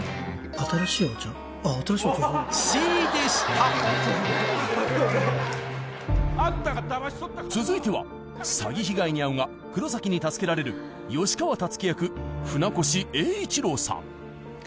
ごめんなさい続いては詐欺被害に遭うが黒崎に助けられる吉川辰樹役船越英一郎さん